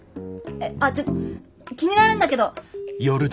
えっちょっと気になるんだけど。